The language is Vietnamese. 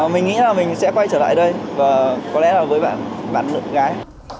mình nghĩ là mình sẽ quay trở lại đây và có lẽ là với bạn nữ gái